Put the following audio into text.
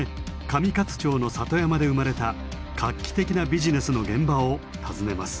上勝町の里山で生まれた画期的なビジネスの現場を訪ねます。